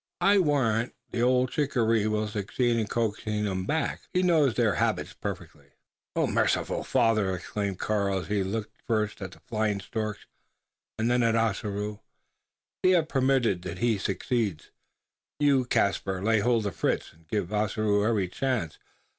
I warrant the old shikaree will succeed in coaxing them back. He knows their habits perfectly." "Merciful Father!" exclaimed Karl, as he looked first at the flying storks and then at Ossaroo; "be it permitted that he succeed! You, Caspar, lay hold upon Fritz, and give Ossaroo every chance!